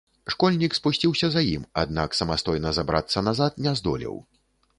Школьнік спусціўся за ім, аднак самастойна забрацца назад не здолеў.